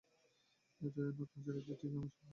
এই নতুন সিরিজে টিকি আমার সঙ্গী।